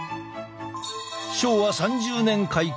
昭和３０年開校。